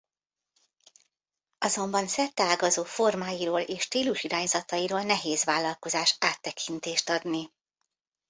Azonban szerteágazó formáiról és stílusirányzatairól nehéz vállalkozás áttekintést adni.